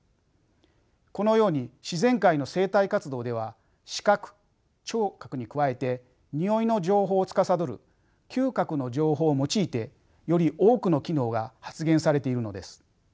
このように自然界の生態活動では視覚聴覚に加えてにおいの情報をつかさどる嗅覚の情報を用いてより多くの機能が発現されているのです。